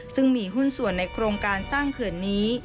ซึ่งมีหุ้นส่วนในโครงการสร้างเขื่อนนี้